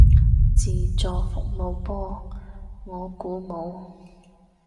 自助服務噃，我估冇